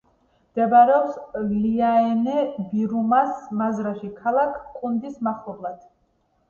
მდებარეობს ლიაენე-ვირუმაას მაზრაში, ქალაქ კუნდის მახლობლად.